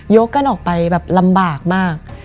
กันออกไปแบบลำบากมาก